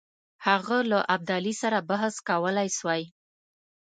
هغه له ابدالي سره بحث کولای سوای.